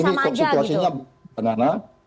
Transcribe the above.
jadi ini kok situasinya pak nana